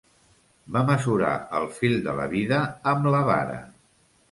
Va mesurar el fil de la vida amb la vara.